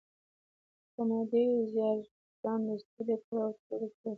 ما په ډېر زیار ځان د استادۍ پړاو ته رسولی